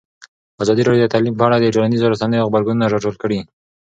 ازادي راډیو د تعلیم په اړه د ټولنیزو رسنیو غبرګونونه راټول کړي.